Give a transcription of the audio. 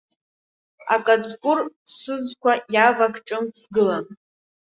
Акаҵкәыр сызқәа иавак, ҿымҭ сгылан.